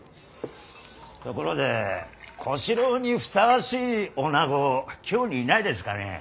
ところで小四郎にふさわしい女子京にいないですかね。